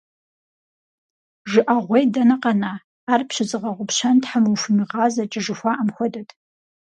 ЖыӀэгъуей дэнэ къэна, ар пщызыгъэгъупщэн Тхьэм ухуимыгъазэкӀэ жыхуаӀэм хуэдэщ.